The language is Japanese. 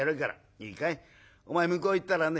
いいかいお前向こう行ったらね